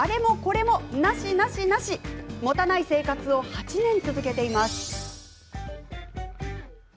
持たない生活を８年続けています。